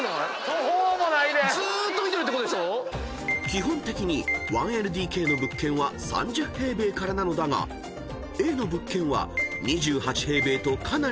［基本的に１ＬＤＫの物件は３０平米からなのだがＡの物件は２８平米とかなり狭め］